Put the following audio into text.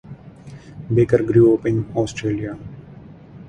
Baker grew up in Australia.